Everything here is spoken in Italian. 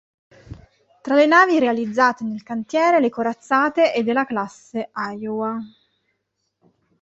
Tra le navi realizzate nel cantiere le corazzate e della classe Iowa.